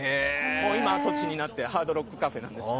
今、跡地になってハードロックカフェですが。